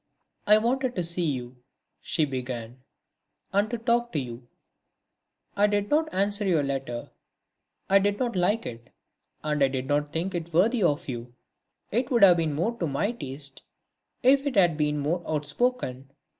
"I wanted to see you," she began, "and talk to you. I did not answer your letter; I did not like it and I did not think it worthy of you. It would have been more to my taste if it had been more outspoken.